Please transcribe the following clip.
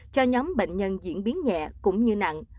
cho nhóm bệnh nhân diễn biến nhẹ cũng như nặng